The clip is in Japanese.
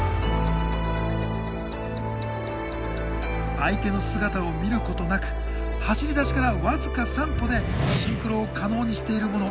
相手の姿を見ることなく走りだしから僅か３歩でシンクロを可能にしているもの